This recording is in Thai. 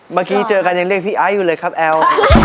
เมื่อกี้เจอกันยังเรียกพี่ไอ้อยู่เลยครับแอล